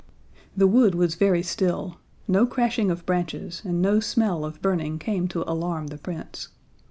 The wood was very still no crashing of branches and no smell of burning came to alarm the Prince.